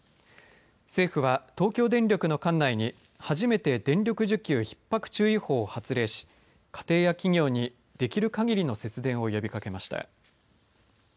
政府は、東京電力の管内に初めて電力需給ひっ迫注意報を発令し家庭や企業にできる限りの節電を呼びかけました。